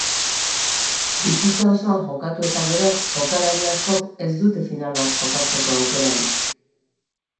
Bizitza osoan jokatu eta gero jokalari askok ez dute final bat jokatzeko aukerarik.